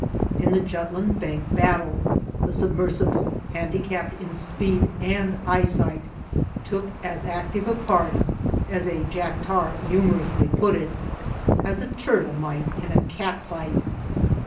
In the Jutland Bank battle, the submersible, handicapped in speed and eyesight, took as active a part, as a Jack Tar humorously put it, "as a turtle might in a cat fight."